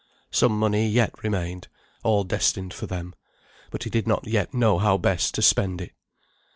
Some money yet remained all destined for them, but he did not yet know how best to spend it.